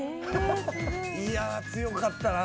いや強かったな